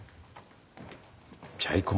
『チャイコン』。